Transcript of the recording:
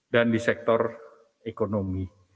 dan di sektor ekonomi